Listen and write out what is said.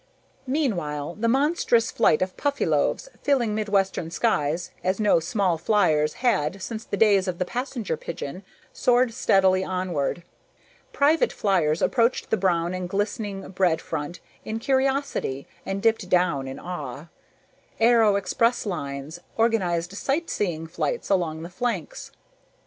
Meanwhile, the monstrous flight of Puffyloaves, filling midwestern skies as no small fliers had since the days of the passenger pigeon, soared steadily onward. Private fliers approached the brown and glistening bread front in curiosity and dipped back in awe. Aero expresslines organized sightseeing flights along the flanks.